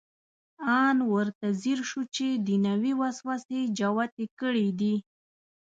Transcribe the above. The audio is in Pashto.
ان ورته ځیر شو چې دنیوي وسوسې جوتې کړې دي.